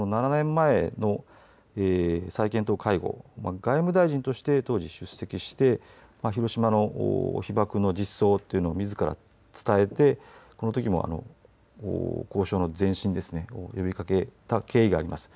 岸田総理大臣、実は交渉が決裂した７年前の再検討会合外務大臣として当時、出席して広島の被爆の実相をみずから伝えて、このときも交渉の前進を呼びかけた経緯があります。